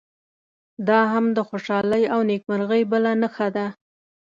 دا هم د خوشالۍ او نیکمرغۍ بله نښه ده.